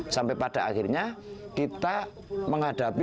sampai pada akhirnya kita menghadapi